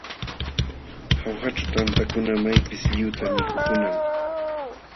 Jaujaćhu tantakuna maypis lliwta mikukunam.